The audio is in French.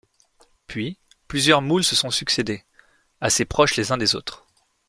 Puis, plusieurs moules se sont succédé, assez proches les uns des autres.